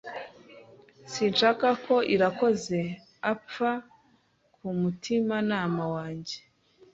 Sinshaka ko Irakoze apfa ku mutimanama wanjye.